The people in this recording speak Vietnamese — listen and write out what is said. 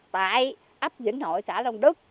tại ấp vĩnh hội xã long đức